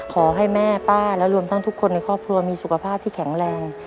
ขอให้แม่ป้าและรวมทั้งทุกคนในครอบครัวมีสุขภาพที่แข็งแรง